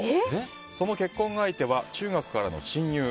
その結婚相手は中学からの親友。